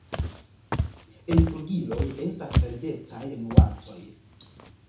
En flugiloj estas verdecaj nuancoj.